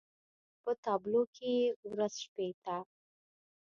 په تابلو کې يې ورځ شپې ته